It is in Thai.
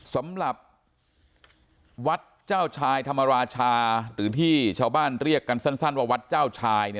สำหรับวัดเจ้าชายธรรมราชาหรือที่ชาวบ้านเรียกกันสั้นว่าวัดเจ้าชาย